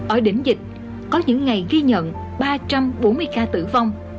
ở đỉnh dịch có những ngày ghi nhận ba trăm bốn mươi ca tử vong